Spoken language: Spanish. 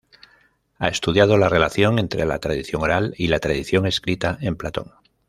Ha estudiado la relación entre la tradición oral y la tradición escrita en Platón.